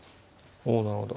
おなるほど。